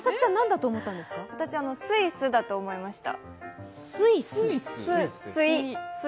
私、スイスだと思いました。